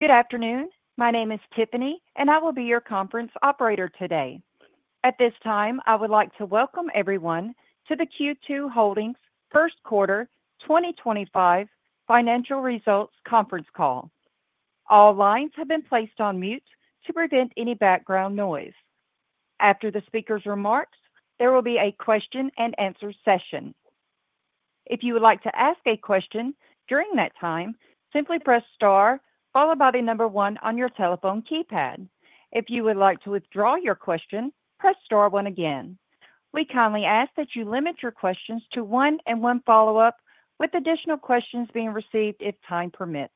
Good afternoon. My name is Tiffany, and I will be your conference operator today. At this time, I would like to Welcome everyone to the Q2 Holdings First Quarter 2025 financial results conference call. All lines have been placed on mute to prevent any background noise. After the speaker's remarks, there will be a question-and-answer session. If you would like to ask a question during that time, simply press star followed by the number one on your telephone keypad. If you would like to withdraw your question, press star one again. We kindly ask that you limit your questions to one and one follow-up, with additional questions being received if time permits.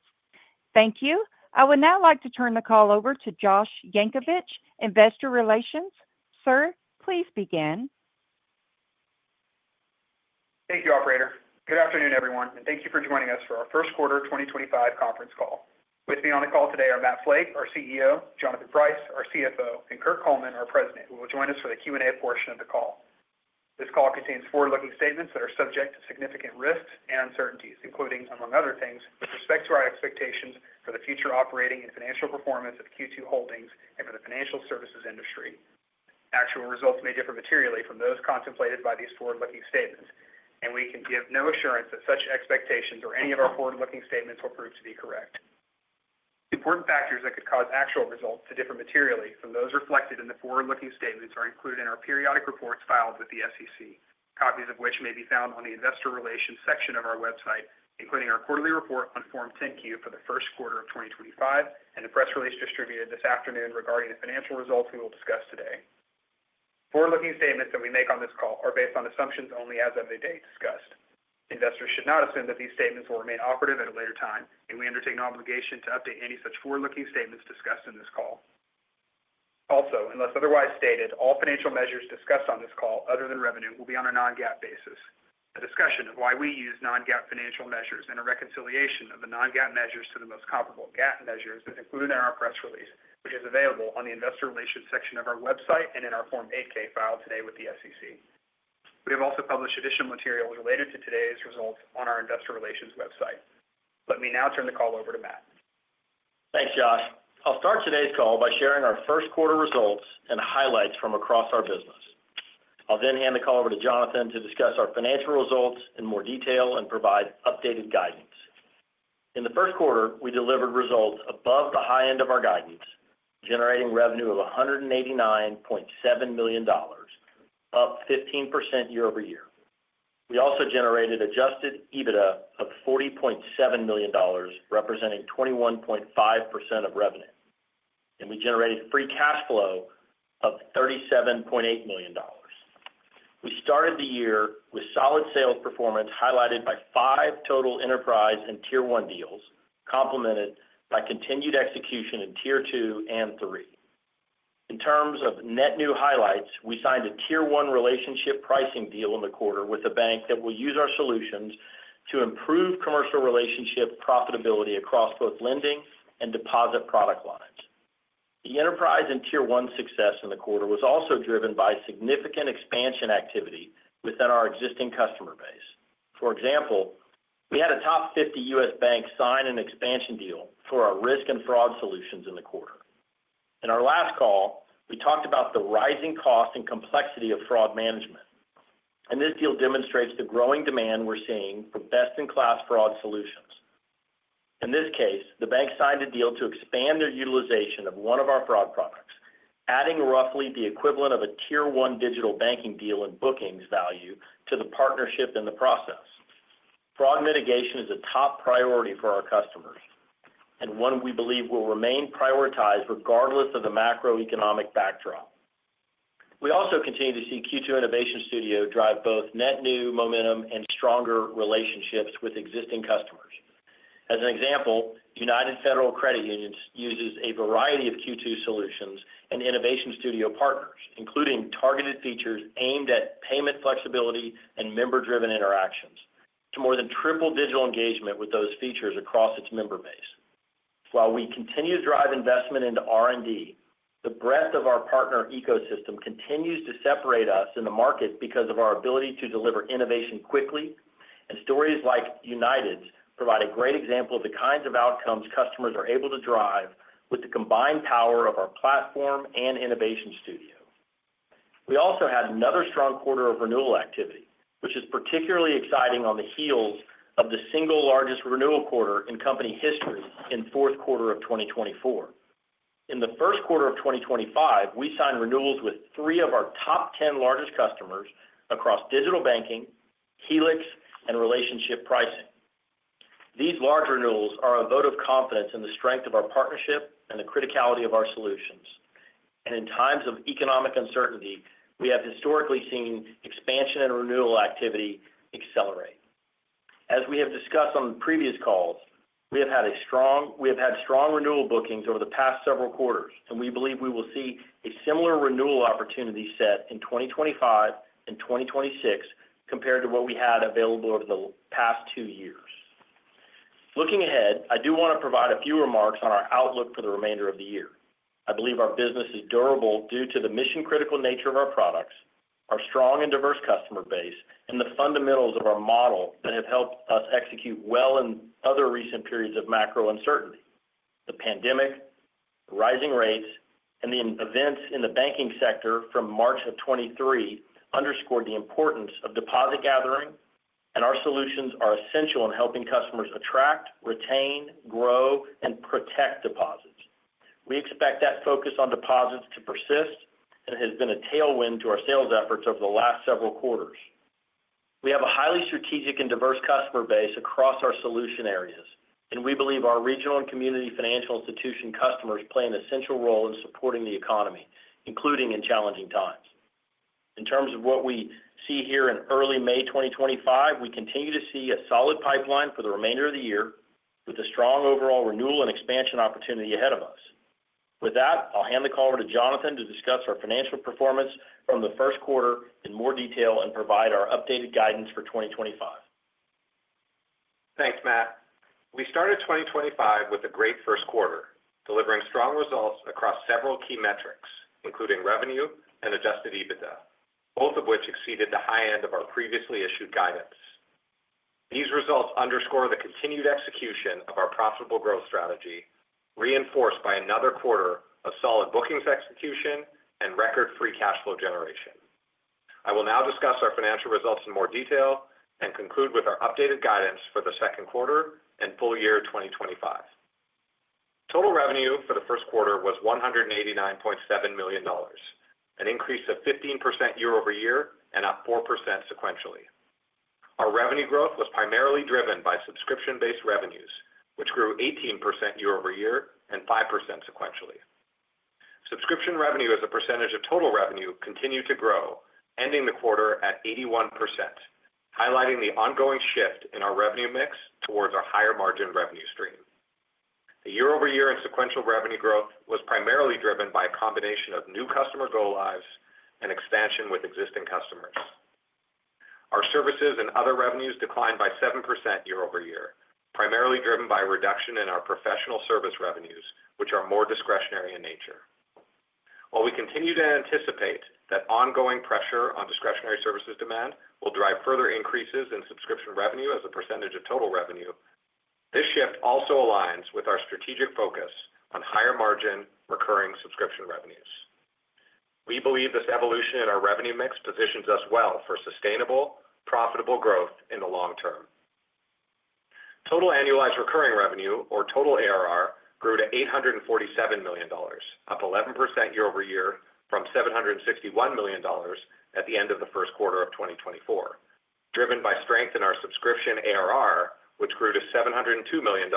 Thank you. I would now like to turn the call over to Josh Yankovich, Investor Relations. Sir, please begin. Thank you, Operator. Good afternoon, everyone, and thank you for joining us for our first quarter 2025 conference call. With me on the call today are Matt Flake, our CEO, Jonathan Price, our CFO, and Kirk Coleman, our President, who will join us for the Q&A portion of the call. This call contains forward-looking statements that are subject to significant risks and uncertainties, including, among other things, with respect to our expectations for the future operating and financial performance of Q2 Holdings and for the financial services industry. Actual results may differ materially from those contemplated by these forward-looking statements, and we can give no assurance that such expectations or any of our forward-looking statements will prove to be correct. Important factors that could cause actual results to differ materially from those reflected in the forward-looking statements are included in our periodic reports filed with the SEC, copies of which may be found on the Investor Relations section of our website, including our quarterly report on Form 10-Q for the first quarter of 2025 and the press release distributed this afternoon regarding the financial results we will discuss today. Forward-looking statements that we make on this call are based on assumptions only as of the date discussed. Investors should not assume that these statements will remain operative at a later time, and we undertake no obligation to update any such forward-looking statements discussed in this call. Also, unless otherwise stated, all financial measures discussed on this call, other than revenue, will be on a non-GAAP basis. The discussion of why we use non-GAAP financial measures and a reconciliation of the non-GAAP measures to the most comparable GAAP measures is included in our press release, which is available on the Investor Relations section of our website and in our Form 8-K filed today with the SEC. We have also published additional materials related to today's results on our Investor Relations website. Let me now turn the call over to Matt. Thanks, Josh. I'll start today's call by sharing our first quarter results and highlights from across our business. I'll then hand the call over to Jonathan to discuss our financial results in more detail and provide updated guidance. In the first quarter, we delivered results above the high end of our guidance, generating revenue of $189.7 million, up 15% year-over-year. We also generated adjusted EBITDA of $40.7 million, representing 21.5% of revenue, and we generated free cash flow of $37.8 million. We started the year with solid sales performance highlighted by five total enterprise and Tier 1 deals, complemented by continued execution in Tier 2 and 3. In terms of net new highlights, we signed a Tier 1 relationship pricing deal in the quarter with a bank that will use our solutions to improve commercial relationship profitability across both lending and deposit product lines. The enterprise and Tier 1 success in the quarter was also driven by significant expansion activity within our existing customer base. For example, we had a top 50 U.S. bank sign an expansion deal for our Risk and Fraud Solutions in the quarter. In our last call, we talked about the rising cost and complexity of fraud management, and this deal demonstrates the growing demand we're seeing for best-in-class fraud solutions. In this case, the bank signed a deal to expand their utilization of one of our fraud products, adding roughly the equivalent of a Tier 1 Digital Banking deal in bookings value to the partnership in the process. Fraud mitigation is a top priority for our customers and one we believe will remain prioritized regardless of the macroeconomic backdrop. We also continue to see Q2 Innovation Studio drive both net new momentum and stronger relationships with existing customers. As an example, United Federal Credit Union uses a variety of Q2 solutions and Innovation Studio partners, including targeted features aimed at payment flexibility and member-driven interactions, to more than triple digital engagement with those features across its member base. While we continue to drive investment into R&D, the breadth of our partner ecosystem continues to separate us in the market because of our ability to deliver innovation quickly, and stories like United's provide a great example of the kinds of outcomes customers are able to drive with the combined power of our platform and Innovation Studio. We also had another strong quarter of renewal activity, which is particularly exciting on the heels of the single largest renewal quarter in company history in fourth quarter of 2024. In first quarter of 2025, we signed renewals with three of our top 10 largest customers across Digital Banking, Helix, and relationship pricing. These large renewals are a vote of confidence in the strength of our partnership and the criticality of our solutions, and in times of economic uncertainty, we have historically seen expansion and renewal activity accelerate. As we have discussed on previous calls, we have had strong renewal bookings over the past several quarters, and we believe we will see a similar renewal opportunity set in 2025 and 2026 compared to what we had available over the past two years. Looking ahead, I do want to provide a few remarks on our outlook for the remainder of the year. I believe our business is durable due to the mission-critical nature of our products, our strong and diverse customer base, and the fundamentals of our model that have helped us execute well in other recent periods of macro uncertainty. The pandemic, rising rates, and the events in the banking sector from March of 2023 underscored the importance of deposit gathering, and our solutions are essential in helping customers attract, retain, grow, and protect deposits. We expect that focus on deposits to persist and has been a tailwind to our sales efforts over the last several quarters. We have a highly strategic and diverse customer base across our solution areas, and we believe our regional and community financial institution customers play an essential role in supporting the economy, including in challenging times. In terms of what we see here in early May 2025, we continue to see a solid pipeline for the remainder of the year, with a strong overall renewal and expansion opportunity ahead of us. With that, I'll hand the call over to Jonathan to discuss our financial performance from first quarter in more detail and provide our updated guidance for 2025. Thanks, Matt. We started 2025 with a great first quarter, delivering strong results across several key metrics, including revenue and adjusted EBITDA, both of which exceeded the high end of our previously issued guidance. These results underscore the continued execution of our profitable growth strategy, reinforced by another quarter of solid bookings execution and record free cash flow generation. I will now discuss our financial results in more detail and conclude with our updated guidance for second quarter and full year 2025. Total revenue for first quarter was $189.7 million, an increase of 15% year-over-year and up 4% sequentially. Our revenue growth was primarily driven by subscription-based revenues, which grew 18% year-over-year and 5% sequentially. Subscription revenue, as a percentage of total revenue, continued to grow, ending the quarter at 81%, highlighting the ongoing shift in our revenue mix towards our higher-margin revenue stream. The year-over-year and sequential revenue growth was primarily driven by a combination of new customer go-lives and expansion with existing customers. Our services and other revenues declined by 7% year-over-year, primarily driven by a reduction in our professional service revenues, which are more discretionary in nature. While we continue to anticipate that ongoing pressure on discretionary services demand will drive further increases in subscription revenue as a percentage of total revenue, this shift also aligns with our strategic focus on higher-margin recurring subscription revenues. We believe this evolution in our revenue mix positions us well for sustainable, profitable growth in the long term. Total annualized recurring revenue, or total ARR, grew to $847 million, up 11% year-over-year from $761 million at the end of first quarter of 2024, driven by strength in our subscription ARR, which grew to $702 million,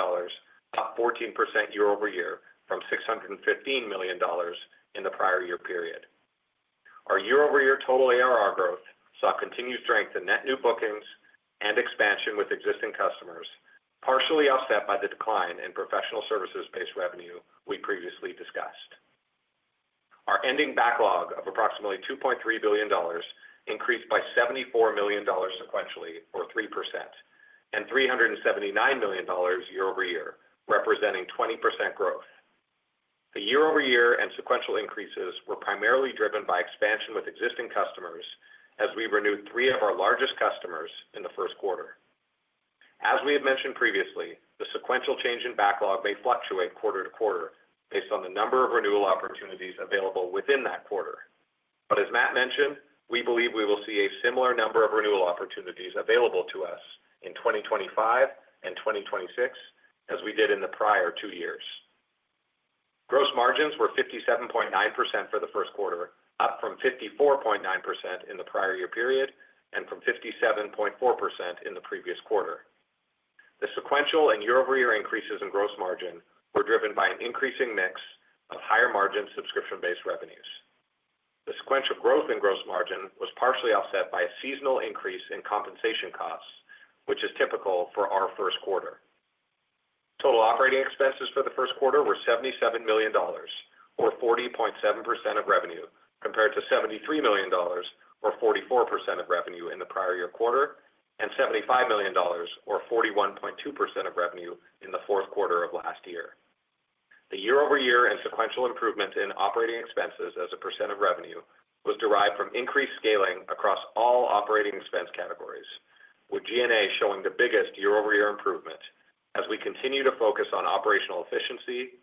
up 14% year-over-year from $615 million in the prior year period. Our year-over-year total ARR growth saw continued strength in net new bookings and expansion with existing customers, partially offset by the decline in professional services-based revenue we previously discussed. Our ending backlog of approximately $2.3 billion increased by $74 million sequentially, or 3%, and $379 million year-over-year, representing 20% growth. The year-over-year and sequential increases were primarily driven by expansion with existing customers as we renewed three of our largest customers in first quarter. As we have mentioned previously, the sequential change in backlog may fluctuate quarter to quarter based on the number of renewal opportunities available within that quarter, but as Matt mentioned, we believe we will see a similar number of renewal opportunities available to us in 2025 and 2026 as we did in the prior two years. Gross margins were 57.9% for first quarter, up from 54.9% in the prior year period and from 57.4% in the previous quarter. The sequential and year-over-year increases in gross margin were driven by an increasing mix of higher-margin subscription-based revenues. The sequential growth in gross margin was partially offset by a seasonal increase in compensation costs, which is typical for our first quarter. Total operating expenses for first quarter were $77 million, or 40.7% of revenue, compared to $73 million, or 44% of revenue in the prior year quarter, and $75 million, or 41.2% of revenue in fourth quarter of last year. The year-over-year and sequential improvement in operating expenses as a percent of revenue was derived from increased scaling across all operating expense categories, with G&A showing the biggest year-over-year improvement as we continue to focus on operational efficiency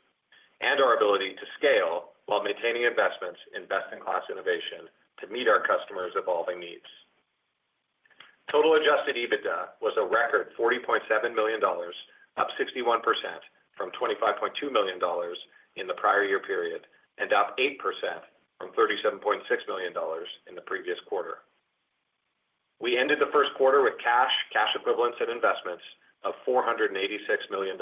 and our ability to scale while maintaining investments in best-in-class innovation to meet our customers' evolving needs. Total adjusted EBITDA was a record $40.7 million, up 61% from $25.2 million in the prior year period and up 8% from $37.6 million in the previous quarter. We ended first quarter with cash, cash equivalents, and investments of $486 million,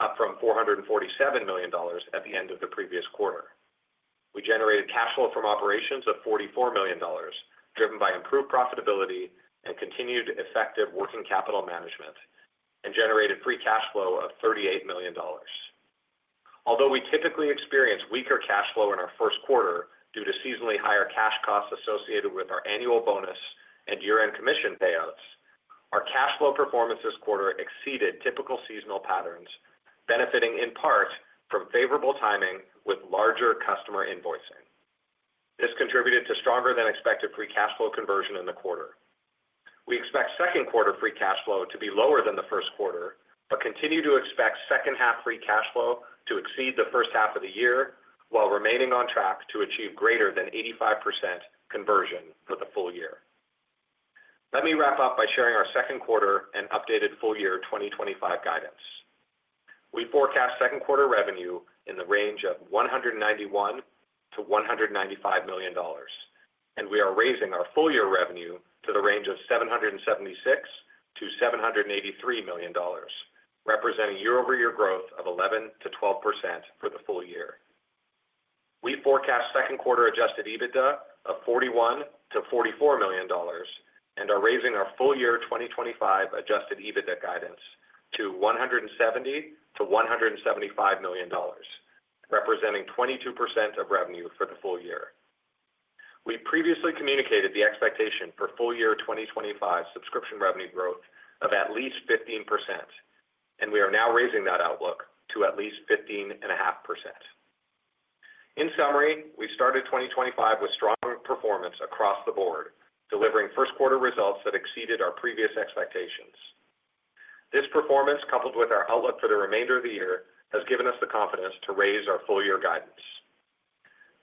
up from $447 million at the end of previous quarter. We generated cash flow from operations of $44 million, driven by improved profitability and continued effective working capital management, and generated free cash flow of $38 million. Although we typically experience weaker cash flow in first quarter due to seasonally higher cash costs associated with our annual bonus and year-end commission payouts, our cash flow performance this quarter exceeded typical seasonal patterns, benefiting in part from favorable timing with larger customer invoicing. This contributed to stronger-than-expected free cash flow conversion in first quarter. We expect second quarter free cash flow to be lower than first quarter, but continue to expect second-half free cash flow to exceed the first half of the year while remaining on track to achieve greater than 85% conversion for the full year. Let me wrap up by sharing our second quarter and updated full year 2025 guidance. We forecast second quarter revenue in the range of $191 million-$195 million, and we are raising our full year revenue to the range of $776 million-$783 million, representing year-over-year growth of 11%-12% for the full year. We forecast second quarter adjusted EBITDA of $41 million-$44 million and are raising our full year 2025 adjusted EBITDA guidance to $170 million-$175 million, representing 22% of revenue for the full year. We previously communicated the expectation for full year 2025 subscription revenue growth of at least 15%, and we are now raising that outlook to at least 15.5%. In summary, we started 2025 with strong performance across the board, delivering first quarter results that exceeded our previous expectations. This performance, coupled with our outlook for the remainder of the year, has given us the confidence to raise our full year guidance.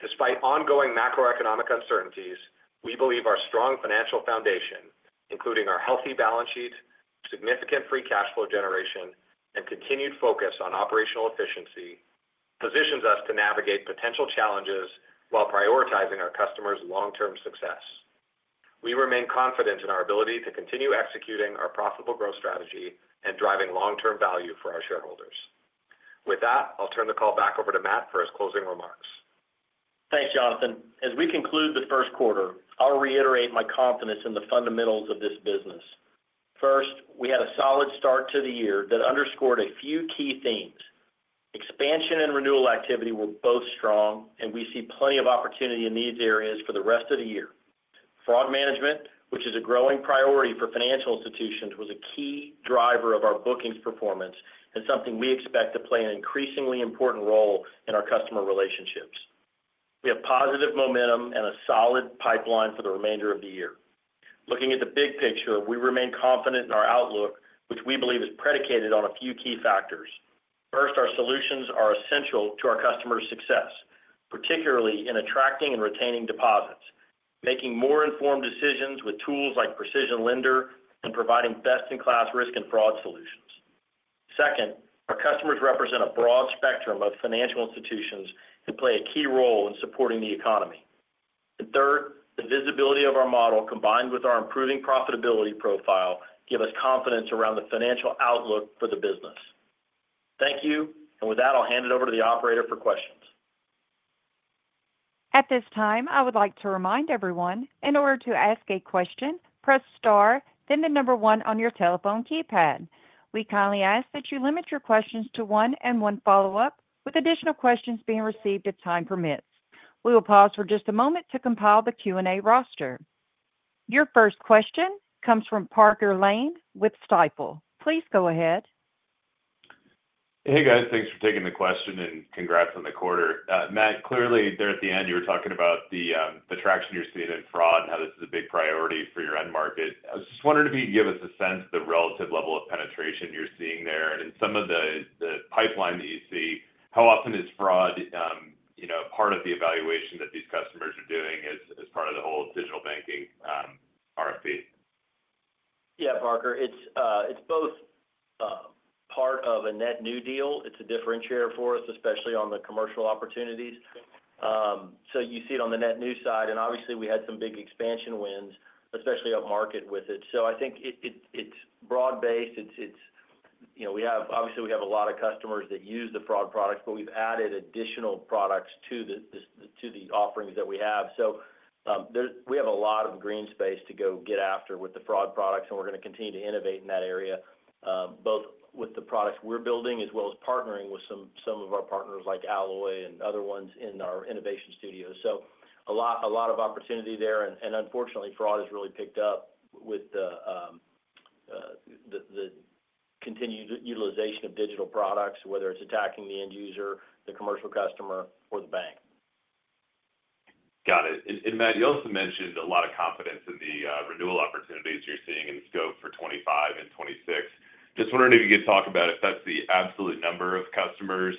Despite ongoing macroeconomic uncertainties, we believe our strong financial foundation, including our healthy balance sheet, significant free cash flow generation, and continued focus on operational efficiency, positions us to navigate potential challenges while prioritizing our customers' long-term success. We remain confident in our ability to continue executing our profitable growth strategy and driving long-term value for our shareholders. With that, I'll turn the call back over to Matt for his closing remarks. Thanks, Jonathan. As we conclude first quarter, I'll reiterate my confidence in the fundamentals of this business. First, we had a solid start to the year that underscored a few key themes. Expansion and renewal activity were both strong, and we see plenty of opportunity in these areas for the rest of the year. Fraud management, which is a growing priority for financial institutions, was a key driver of our bookings performance and something we expect to play an increasingly important role in our customer relationships. We have positive momentum and a solid pipeline for the remainder of the year. Looking at the big picture, we remain confident in our outlook, which we believe is predicated on a few key factors. First, our solutions are essential to our customers' success, particularly in attracting and retaining deposits, making more informed decisions with tools like PrecisionLender and providing best-in-class risk and fraud solutions. Second, our customers represent a broad spectrum of financial institutions and play a key role in supporting the economy. Third, the visibility of our model, combined with our improving profitability profile, gives us confidence around the financial outlook for the business. Thank you, and with that, I'll hand it over to the operator for questions. At this time, I would like to remind everyone, in order to ask a question, press star, then the number one on your telephone keypad. We kindly ask that you limit your questions to one and one follow-up, with additional questions being received if time permits. We will pause for just a moment to compile the Q&A roster. Your first question comes from Parker Lane with Stifel. Please go ahead. Hey, guys. Thanks for taking the question and congrats on the quarter. Matt, clearly there at the end, you were talking about the traction you're seeing in fraud and how this is a big priority for your end market. I was just wondering if you could give us a sense of the relative level of penetration you're seeing there and in some of the pipeline that you see. How often is fraud part of the evaluation that these customers are doing as part of the whole Digital Banking RFP? Yeah, Parker. It's both part of a net new deal. It's a differentiator for us, especially on the commercial opportunities. You see it on the net new side, and obviously, we had some big expansion wins, especially up market with it. I think it's broad-based. Obviously, we have a lot of customers that use the fraud products, but we've added additional products to the offerings that we have. We have a lot of green space to go get after with the fraud products, and we're going to continue to innovate in that area, both with the products we're building as well as partnering with some of our partners like Alloy and other ones in our Innovation Studio. A lot of opportunity there, and unfortunately, fraud has really picked up with the continued utilization of digital products, whether it's attacking the end user, the commercial customer, or the bank. Got it. Matt, you also mentioned a lot of confidence in the renewal opportunities you're seeing in scope for 2025 and 2026. Just wondering if you could talk about if that's the absolute number of customers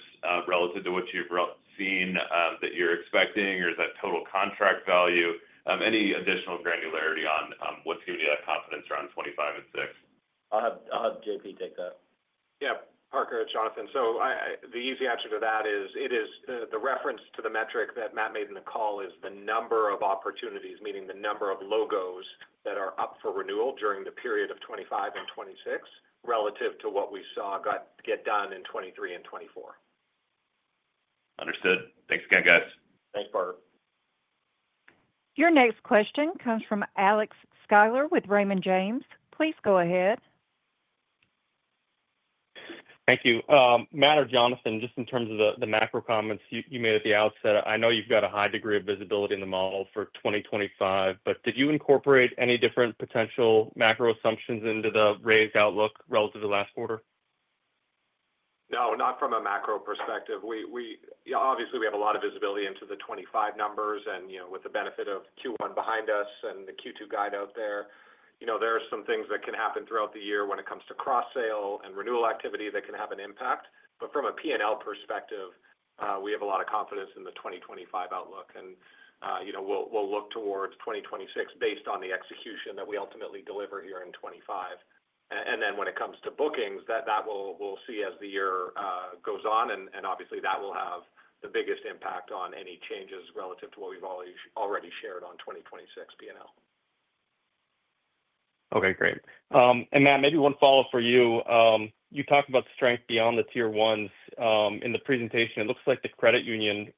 relative to what you've seen that you're expecting, or is that total contract value? Any additional granularity on what's giving you that confidence around 2025 and 2026? I'll have JP take that. Yeah, Parker, Jonathan. So the easy answer to that is the reference to the metric that Matt made in the call is the number of opportunities, meaning the number of logos that are up for renewal during the period of 2025 and 2026 relative to what we saw get done in 2023 and 2024. Understood. Thanks again, guys. Thanks, Parker. Your next question comes from Alex Sklar with Raymond James. Please go ahead. Thank you. Matt or Jonathan, just in terms of the macro comments you made at the outset, I know you've got a high degree of visibility in the model for 2025, but did you incorporate any different potential macro assumptions into the raised outlook relative to last quarter? No, not from a macro perspective. Obviously, we have a lot of visibility into the 2025 numbers, and with the benefit of Q1 behind us and the Q2 guide out there, there are some things that can happen throughout the year when it comes to cross-sale and renewal activity that can have an impact. From a P&L perspective, we have a lot of confidence in the 2025 outlook, and we'll look towards 2026 based on the execution that we ultimately deliver here in 2025. When it comes to bookings, that we'll see as the year goes on, and obviously, that will have the biggest impact on any changes relative to what we've already shared on 2026 P&L. Okay, great. Matt, maybe one follow-up for you. You talked about strength beyond the Tier 1. In the presentation, it looks like the credit union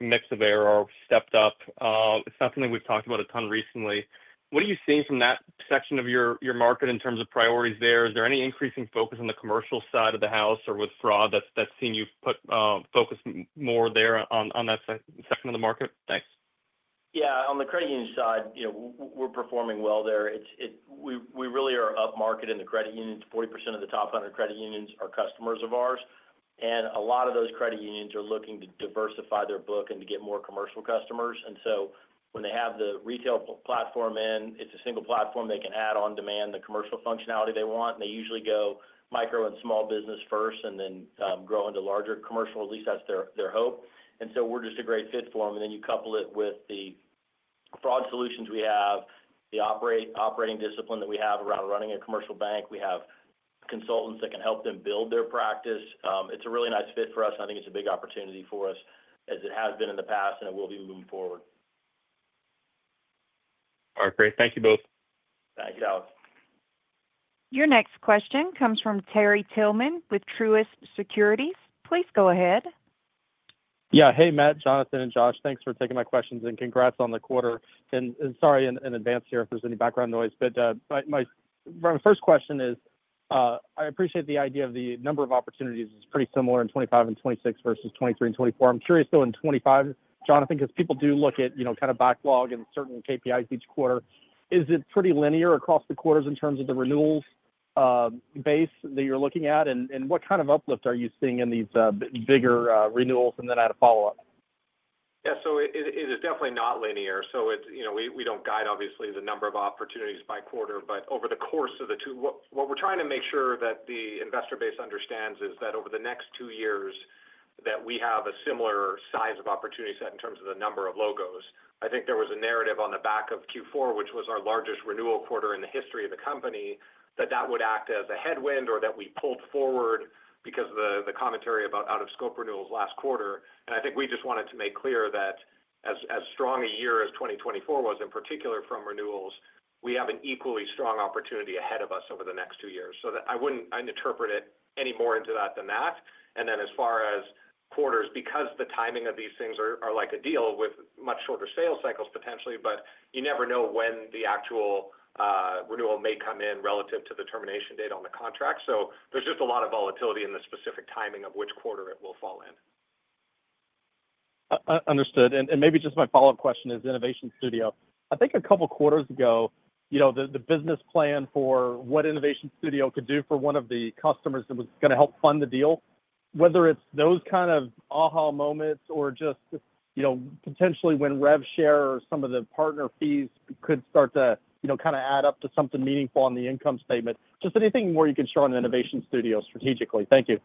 mix of ARR stepped up. It's not something we've talked about a ton recently. What are you seeing from that section of your market in terms of priorities there? Is there any increasing focus on the commercial side of the house or with fraud that's seen you focus more there on that section of the market? Thanks. Yeah, on the credit union side, we're performing well there. We really are up market in the credit unions. 40% of the top 100 credit unions are customers of ours, and a lot of those credit unions are looking to diversify their book and to get more commercial customers. When they have the retail platform in, it's a single platform. They can add on demand the commercial functionality they want, and they usually go micro and small business first and then grow into larger commercial. At least that's their hope. We're just a great fit for them. You couple it with the fraud solutions we have, the operating discipline that we have around running a commercial bank. We have consultants that can help them build their practice. It's a really nice fit for us, and I think it's a big opportunity for us as it has been in the past, and it will be moving forward. All right, great. Thank you both. Thanks, Alex. Your next question comes from Terry Tillman with Truist Securities. Please go ahead. Yeah, hey, Matt, Jonathan, and Josh. Thanks for taking my questions and congrats on the quarter. Sorry in advance here if there's any background noise, but my first question is I appreciate the idea of the number of opportunities is pretty similar in 2025 and 2026 versus 2023 and 2024. I'm curious though in 2025, Jonathan, because people do look at kind of backlog and certain KPIs each quarter. Is it pretty linear across the quarters in terms of the renewals base that you're looking at, and what kind of uplift are you seeing in these bigger renewals? I had a follow-up. Yeah, so it is definitely not linear. We do not guide, obviously, the number of opportunities by quarter, but over the course of the two, what we are trying to make sure that the investor base understands is that over the next two years we have a similar size of opportunity set in terms of the number of logos. I think there was a narrative on the back of fourth quarter, which was our largest renewal quarter in the history of the company, that that would act as a headwind or that we pulled forward because of the commentary about out-of-scope renewals last quarter. I think we just wanted to make clear that as strong a year as 2024 was, in particular from renewals, we have an equally strong opportunity ahead of us over the next two years. I would not interpret any more into that than that. As far as quarters, because the timing of these things are like a deal with much shorter sales cycles potentially, but you never know when the actual renewal may come in relative to the termination date on the contract. There is just a lot of volatility in the specific timing of which quarter it will fall in. Understood. Maybe just my follow-up question is Innovation Studio. I think a couple of quarters ago, the business plan for what Innovation Studio could do for one of the customers that was going to help fund the deal, whether it is those kind of aha moments or just potentially when RevShare or some of the partner fees could start to kind of add up to something meaningful on the income statement. Just anything more you can share on Innovation Studio strategically. Thank you.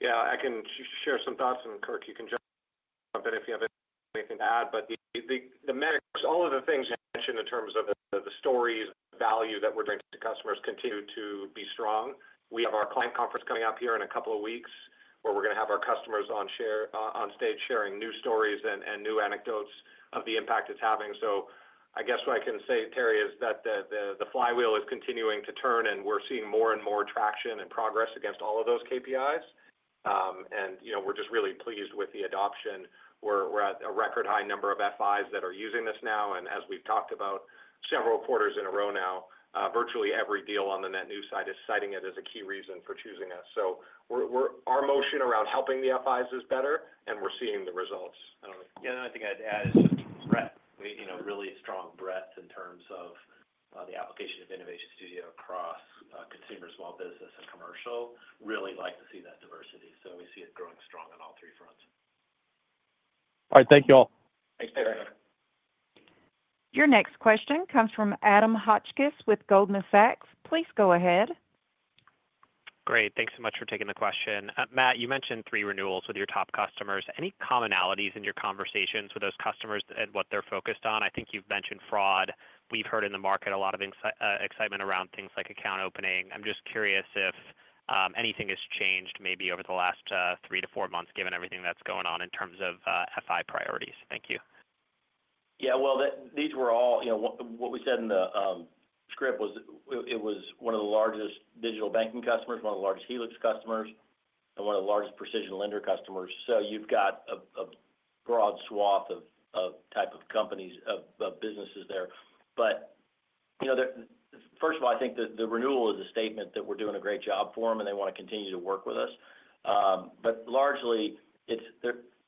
Yeah, I can share some thoughts, and Kirk, you can jump in if you have anything to add. The metrics, all of the things you mentioned in terms of the stories, the value that we're bringing to customers continue to be strong. We have our client conference coming up here in a couple of weeks where we're going to have our customers on stage sharing new stories and new anecdotes of the impact it's having. I guess what I can say, Terry, is that the flywheel is continuing to turn, and we're seeing more and more traction and progress against all of those KPIs. We're just really pleased with the adoption. We're at a record high number of FIs that are using this now, and as we've talked about, several quarters in a row now, virtually every deal on the net new side is citing it as a key reason for choosing us. Our motion around helping the FIs is better, and we're seeing the results. Yeah, the only thing I'd add is just breadth. Really strong breadth in terms of the application of Innovation Studio across consumer, small business, and commercial. Really like to see that diversity. We see it growing strong on all three fronts. All right, thank you all. Thanks, Terry. Your next question comes from Adam Hotchkiss with Goldman Sachs. Please go ahead. Great. Thanks so much for taking the question. Matt, you mentioned three renewals with your top customers. Any commonalities in your conversations with those customers and what they're focused on? I think you've mentioned fraud. We've heard in the market a lot of excitement around things like account opening. I'm just curious if anything has changed maybe over the last three to four months, given everything that's going on in terms of FI priorities. Thank you. Yeah, these were all what we said in the script was it was one of the largest Digital Banking customers, one of the largest Helix customers, and one of the largest PrecisionLender customers. You have got a broad swath of type of companies, of businesses there. First of all, I think the renewal is a statement that we are doing a great job for them, and they want to continue to work with us. Largely,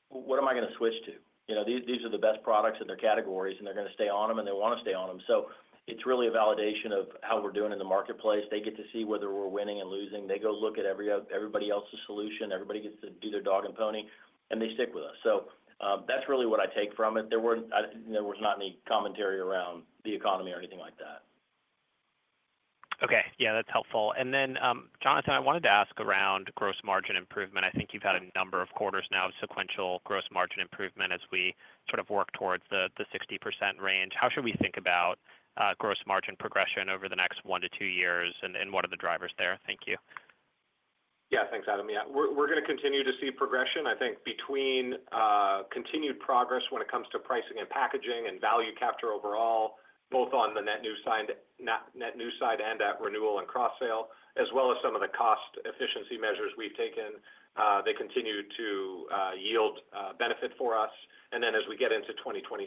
what am I going to switch to? These are the best products in their categories, and they are going to stay on them, and they want to stay on them. It is really a validation of how we are doing in the marketplace. They get to see whether we are winning and losing. They go look at everybody else's solution. Everybody gets to do their dog and pony, and they stick with us. That's really what I take from it. There was not any commentary around the economy or anything like that. Okay. Yeah, that's helpful. Jonathan, I wanted to ask around gross margin improvement. I think you've had a number of quarters now of sequential gross margin improvement as we sort of work towards the 60% range. How should we think about gross margin progression over the next one to two years, and what are the drivers there? Thank you. Yeah, thanks, Adam. Yeah, we're going to continue to see progression. I think between continued progress when it comes to pricing and packaging and value capture overall, both on the net new side and at renewal and cross-sale, as well as some of the cost efficiency measures we've taken, they continue to yield benefit for us. As we get into 2026,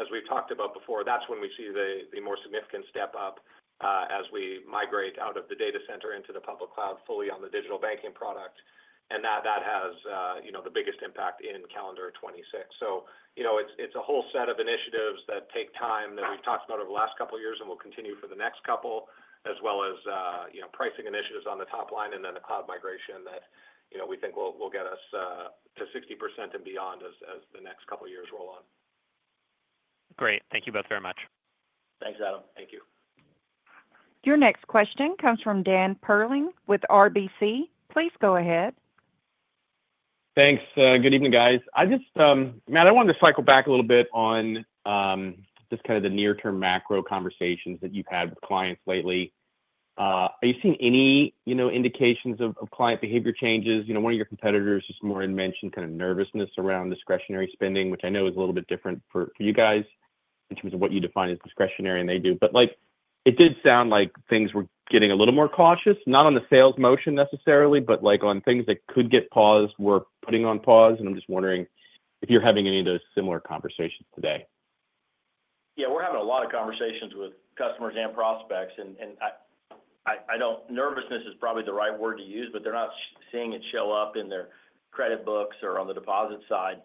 as we've talked about before, that's when we see the more significant step up as we migrate out of the data center into the public cloud fully on the Digital Banking product, and that has the biggest impact in calendar 2026. It's a whole set of initiatives that take time that we've talked about over the last couple of years and will continue for the next couple, as well as pricing initiatives on the top line and then the cloud migration that we think will get us to 60% and beyond as the next couple of years roll on. Great. Thank you both very much. Thanks, Adam. Thank you. Your next question comes from Dan Perlin with RBC. Please go ahead. Thanks. Good evening, guys. Matt, I wanted to cycle back a little bit on just kind of the near-term macro conversations that you've had with clients lately. Are you seeing any indications of client behavior changes? One of your competitors, just Morin, mentioned kind of nervousness around discretionary spending, which I know is a little bit different for you guys in terms of what you define as discretionary and they do. It did sound like things were getting a little more cautious, not on the sales motion necessarily, but on things that could get paused, were putting on pause. I'm just wondering if you're having any of those similar conversations today. Yeah, we're having a lot of conversations with customers and prospects. Nervousness is probably the right word to use, but they're not seeing it show up in their credit books or on the deposit side.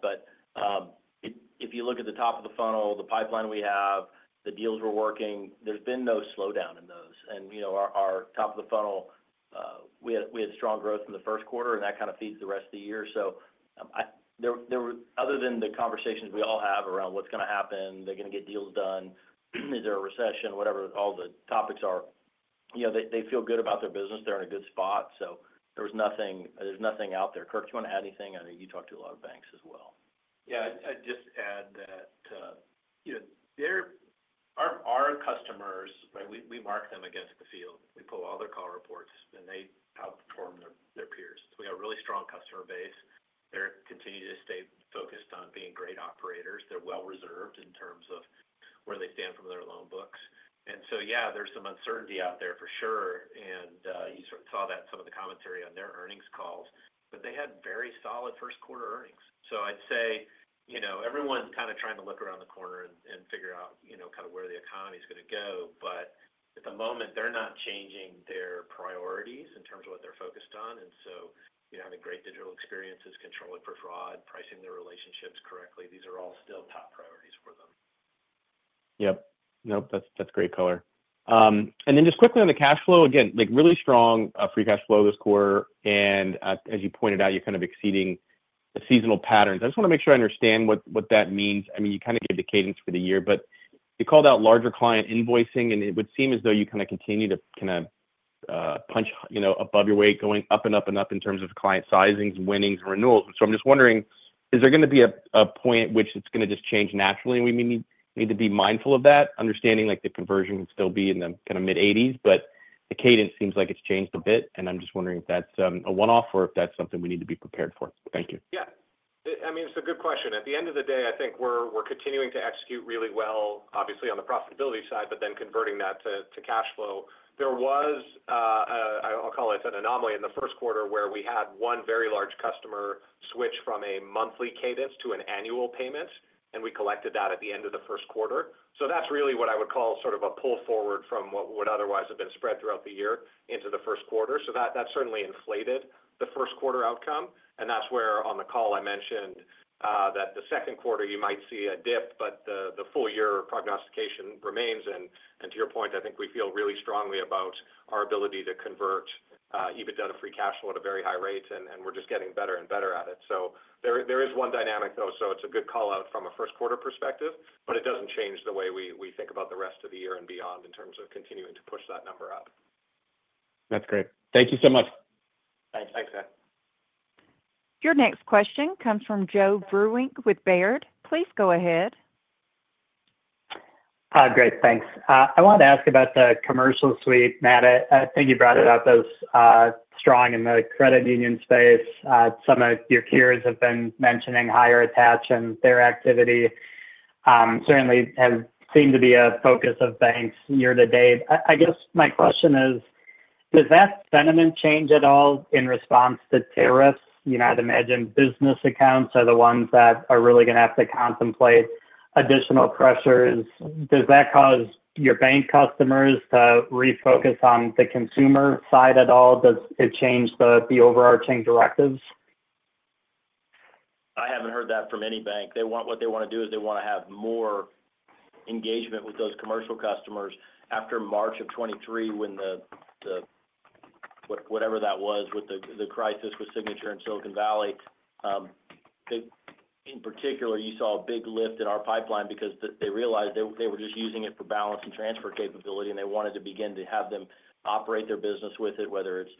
If you look at the top of the funnel, the pipeline we have, the deals we're working, there's been no slowdown in those. Our top of the funnel, we had strong growth in the first quarter, and that kind of feeds the rest of the year. Other than the conversations we all have around what's going to happen, are they going to get deals done, is there a recession, whatever all the topics are, they feel good about their business. They're in a good spot. There's nothing out there. Kirk, do you want to add anything? I know you talk to a lot of banks as well. Yeah, I'd just add that our customers, we mark them against the field. We pull all their call reports, and they outperform their peers. We have a really strong customer base. They continue to stay focused on being great operators. They're well reserved in terms of where they stand from their loan books. Yeah, there's some uncertainty out there for sure. You saw that in some of the commentary on their earnings calls, but they had very solid first quarter earnings. I'd say everyone's kind of trying to look around the corner and figure out kind of where the economy is going to go. At the moment, they're not changing their priorities in terms of what they're focused on. Having great digital experiences, controlling for fraud, pricing their relationships correctly, these are all still top priorities for them. Yep. Nope, that's great color. And then just quickly on the cash flow, again, really strong free cash flow this quarter. And as you pointed out, you're kind of exceeding the seasonal patterns. I just want to make sure I understand what that means. I mean, you kind of gave the cadence for the year, but you called out larger client invoicing, and it would seem as though you kind of continue to kind of punch above your weight, going up and up and up in terms of client sizings, winnings, and renewals. And so I'm just wondering, is there going to be a point at which it's going to just change naturally? And we may need to be mindful of that, understanding the conversion can still be in the kind of mid-80s, but the cadence seems like it's changed a bit. I'm just wondering if that's a one-off or if that's something we need to be prepared for. Thank you. Yeah. I mean, it's a good question. At the end of the day, I think we're continuing to execute really well, obviously, on the profitability side, but then converting that to cash flow. There was, I'll call it an anomaly in the first quarter where we had one very large customer switch from a monthly cadence to an annual payment, and we collected that at the end of the first quarter. That's really what I would call sort of a pull forward from what would otherwise have been spread throughout the year into the first quarter. That certainly inflated the first quarter outcome. That's where on the call I mentioned that the second quarter you might see a dip, but the full year prognostication remains. To your point, I think we feel really strongly about our ability to convert EBITDA to free cash flow at a very high rate, and we're just getting better and better at it. There is one dynamic though. It's a good call out from a first quarter perspective, but it doesn't change the way we think about the rest of the year and beyond in terms of continuing to push that number up. That's great. Thank you so much. Thanks. Thanks, Dan. Your next question comes from Joe Vruwink with Baird. Please go ahead. Hi, Greg. Thanks. I wanted to ask about the commercial suite, Matt. I think you brought it up as strong in the credit union space. Some of your peers have been mentioning Higher Attach and their activity. Certainly, it has seemed to be a focus of banks year to date. I guess my question is, does that sentiment change at all in response to tariffs? I'd imagine business accounts are the ones that are really going to have to contemplate additional pressures. Does that cause your bank customers to refocus on the consumer side at all? Does it change the overarching directives? I haven't heard that from any bank. What they want to do is they want to have more engagement with those commercial customers after March of 2023, when whatever that was with the crisis with Signature and Silicon Valley. In particular, you saw a big lift in our pipeline because they realized they were just using it for balance and transfer capability, and they wanted to begin to have them operate their business with it, whether it's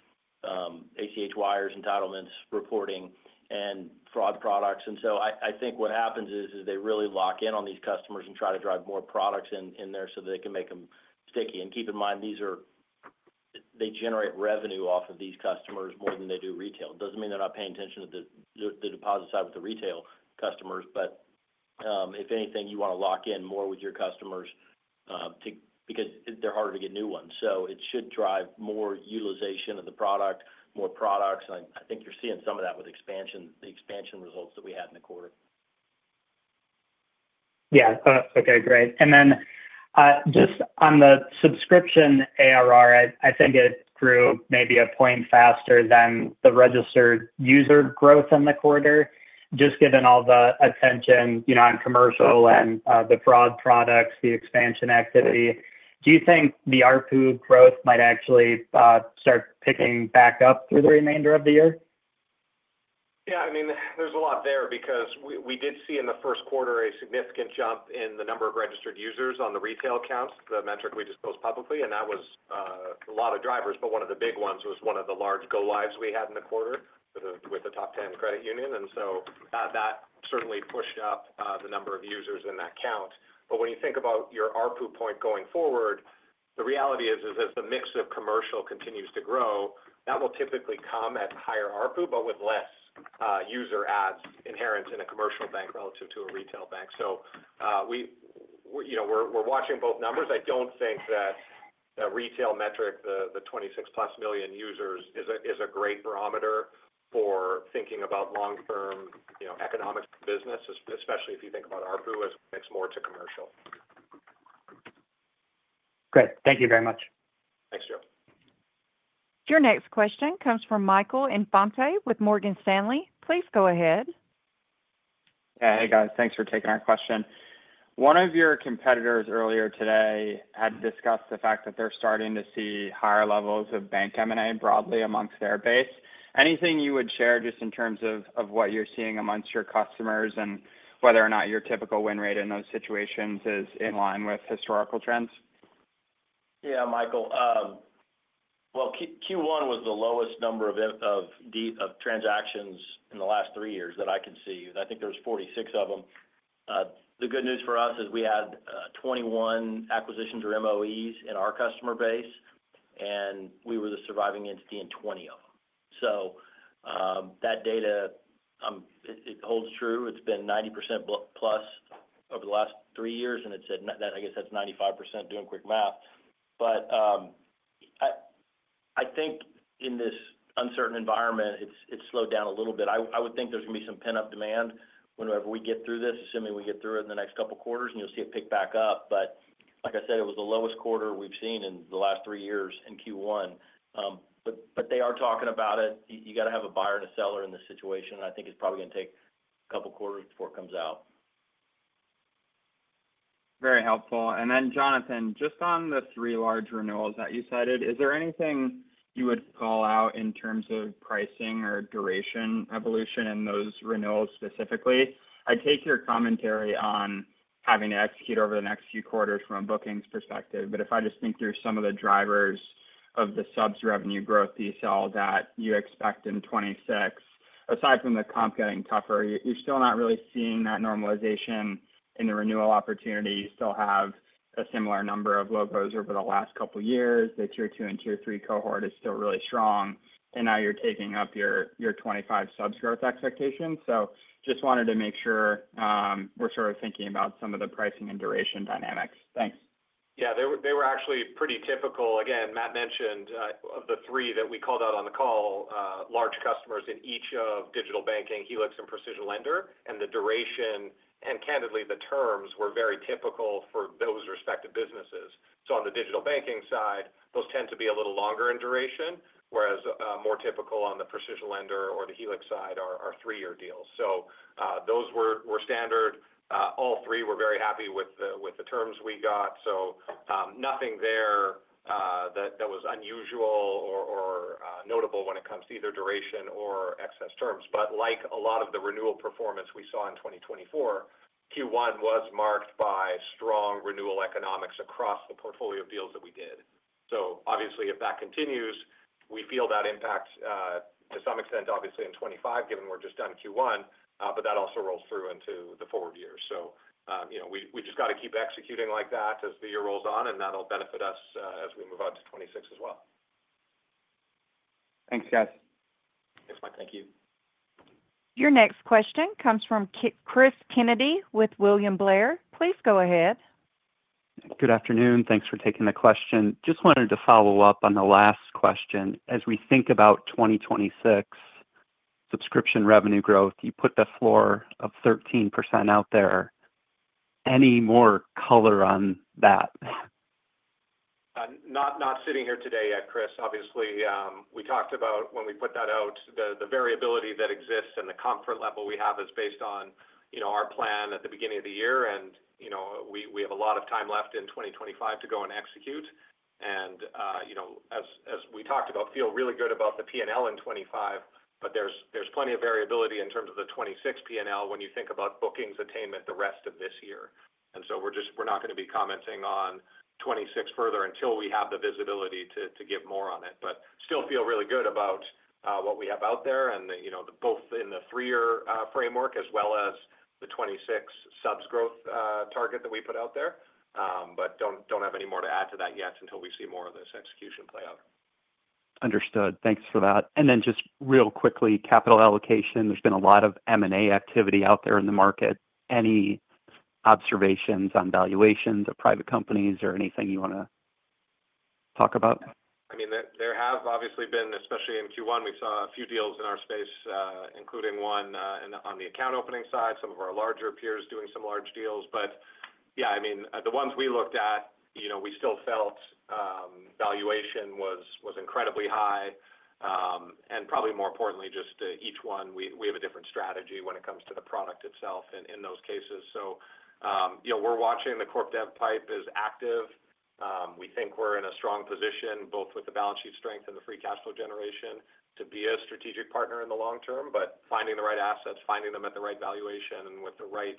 ACH wires, entitlements, reporting, and fraud products. I think what happens is they really lock in on these customers and try to drive more products in there so that they can make them sticky. Keep in mind, they generate revenue off of these customers more than they do retail. It doesn't mean they're not paying attention to the deposit side with the retail customers, but if anything, you want to lock in more with your customers because they're harder to get new ones. It should drive more utilization of the product, more products. I think you're seeing some of that with the expansion results that we had in the quarter. Yeah. Okay, great. Then just on the subscription ARR, I think it grew maybe a point faster than the registered user growth in the quarter, just given all the attention on commercial and the fraud products, the expansion activity. Do you think the ARPU growth might actually start picking back up through the remainder of the year? Yeah. I mean, there's a lot there because we did see in the first quarter a significant jump in the number of registered users on the retail accounts, the metric we disclosed publicly. That was a lot of drivers, but one of the big ones was one of the large go-lives we had in the quarter with a top 10 credit union. That certainly pushed up the number of users in that count. When you think about your ARPU point going forward, the reality is, as the mix of commercial continues to grow, that will typically come at higher ARPU, but with less user ads inherent in a commercial bank relative to a retail bank. We're watching both numbers. I don't think that the retail metric, the 26+ million users, is a great barometer for thinking about long-term economics of business, especially if you think about ARPU as it connects more to commercial. Great. Thank you very much. Thanks, Joe. Your next question comes from Michael Infante with Morgan Stanley. Please go ahead. Yeah. Hey, guys. Thanks for taking our question. One of your competitors earlier today had discussed the fact that they're starting to see higher levels of bank M&A broadly amongst their base. Anything you would share just in terms of what you're seeing amongst your customers and whether or not your typical win rate in those situations is in line with historical trends? Yeah, Michael. Q1 was the lowest number of transactions in the last three years that I could see. I think there were 46 of them. The good news for us is we had 21 acquisitions or MOEs in our customer base, and we were the surviving entity in 20 of them. That data, it holds true. It's been 90%+ over the last three years, and I guess that's 95% doing quick math. I think in this uncertain environment, it's slowed down a little bit. I would think there's going to be some pin-up demand whenever we get through this, assuming we get through it in the next couple of quarters, and you'll see it pick back up. Like I said, it was the lowest quarter we've seen in the last three years in Q1. They are talking about it. You got to have a buyer and a seller in this situation, and I think it's probably going to take a couple of quarters before it comes out. Very helpful. And then, Jonathan, just on the three large renewals that you cited, is there anything you would call out in terms of pricing or duration evolution in those renewals specifically? I take your commentary on having to execute over the next few quarters from a bookings perspective, but if I just think through some of the drivers of the subs revenue growth that you saw that you expect in 2026, aside from the comp getting tougher, you're still not really seeing that normalization in the renewal opportunity. You still have a similar number of logos over the last couple of years. The tier two and tier three cohort is still really strong, and now you're taking up your 2025 subs growth expectations. So just wanted to make sure we're sort of thinking about some of the pricing and duration dynamics. Thanks. Yeah. They were actually pretty typical. Again, Matt mentioned of the three that we called out on the call, large customers in each of Digital Banking, Helix, and PrecisionLender, and the duration, and candidly, the terms were very typical for those respective businesses. On the Digital Banking side, those tend to be a little longer in duration, whereas more typical on the PrecisionLender or the Helix side are three-year deals. Those were standard. All three were very happy with the terms we got. Nothing there that was unusual or notable when it comes to either duration or excess terms. Like a lot of the renewal performance we saw in 2024, Q1 was marked by strong renewal economics across the portfolio of deals that we did. Obviously, if that continues, we feel that impact to some extent, obviously, in 2025, given we're just done Q1, but that also rolls through into the forward years. We just got to keep executing like that as the year rolls on, and that'll benefit us as we move on to 2026 as well. Thanks, guys. Thanks, Mike. Thank you. Your next question comes from Chris Kennedy with William Blair. Please go ahead. Good afternoon. Thanks for taking the question. Just wanted to follow up on the last question. As we think about 2026 subscription revenue growth, you put the floor of 13% out there. Any more color on that? Not sitting here today yet, Chris. Obviously, we talked about when we put that out, the variability that exists and the comfort level we have is based on our plan at the beginning of the year. We have a lot of time left in 2025 to go and execute. As we talked about, feel really good about the P&L in 2025, but there's plenty of variability in terms of the 2026 P&L when you think about bookings attainment the rest of this year. We are not going to be commenting on 2026 further until we have the visibility to give more on it, but still feel really good about what we have out there, both in the three-year framework as well as the 2026 subs growth target that we put out there. do not have any more to add to that yet until we see more of this execution play out. Understood. Thanks for that. Just real quickly, capital allocation, there's been a lot of M&A activity out there in the market. Any observations on valuations of private companies or anything you want to talk about? I mean, there have obviously been, especially in Q1, we saw a few deals in our space, including one on the account opening side, some of our larger peers doing some large deals. Yeah, I mean, the ones we looked at, we still felt valuation was incredibly high. Probably more importantly, just each one, we have a different strategy when it comes to the product itself in those cases. We are watching, the CorpDev pipe is active. We think we are in a strong position both with the balance sheet strength and the free cash flow generation to be a strategic partner in the long term, but finding the right assets, finding them at the right valuation, and with the right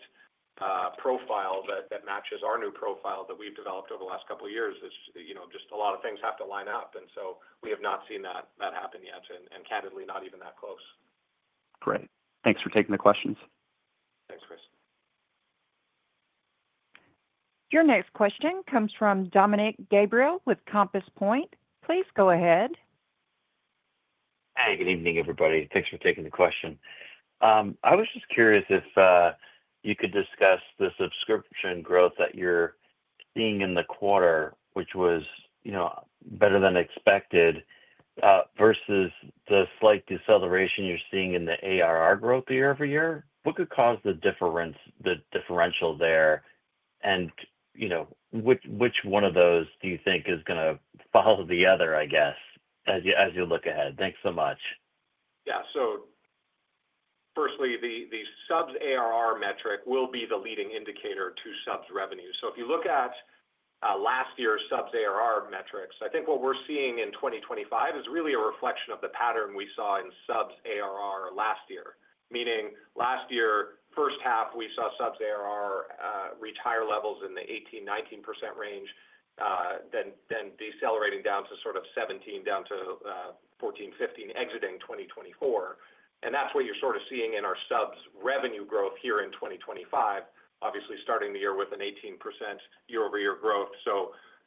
profile that matches our new profile that we have developed over the last couple of years, just a lot of things have to line up. We have not seen that happen yet, and candidly, not even that close. Great. Thanks for taking the questions. Thanks, Chris. Your next question comes from Dominick Gabriele with Compass Point. Please go ahead. Hi. Good evening, everybody. Thanks for taking the question. I was just curious if you could discuss the subscription growth that you're seeing in the quarter, which was better than expected, versus the slight deceleration you're seeing in the ARR growth year-over-year. What could cause the differential there? Which one of those do you think is going to follow the other, I guess, as you look ahead? Thanks so much. Yeah. Firstly, the subs ARR metric will be the leading indicator to subs revenue. If you look at last year's subs ARR metrics, I think what we're seeing in 2025 is really a reflection of the pattern we saw in subs ARR last year, meaning last year, first half, we saw subs ARR at levels in the 18%-19% range, then decelerating down to sort of 17%, down to 14%-15%, exiting 2024. That is what you're sort of seeing in our subs revenue growth here in 2025, obviously starting the year with an 18% year-over-year growth.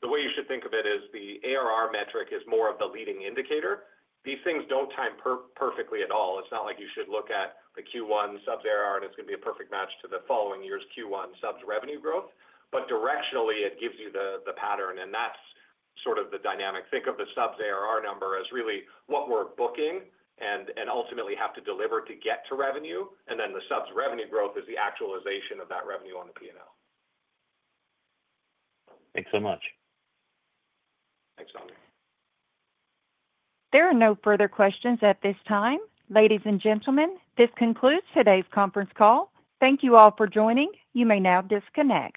The way you should think of it is the ARR metric is more of the leading indicator. These things do not time perfectly at all. It's not like you should look at the Q1 subs ARR, and it's going to be a perfect match to the following year's Q1 subs revenue growth. However, directionally, it gives you the pattern, and that's sort of the dynamic. Think of the subs ARR number as really what we're booking and ultimately have to deliver to get to revenue, and then the subs revenue growth is the actualization of that revenue on the P&L. Thanks so much. Thanks, Dom. There are no further questions at this time. Ladies and gentlemen, this concludes today's conference call. Thank you all for joining. You may now disconnect.